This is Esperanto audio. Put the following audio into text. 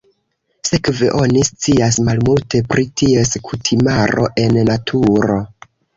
Sekve oni scias malmulte pri ties kutimaro en naturo.